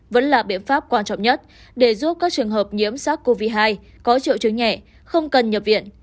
vẫn là biện pháp quan trọng nhất để giúp các trường hợp nhiễm sars cov hai có triệu chứng nhẹ không cần nhập viện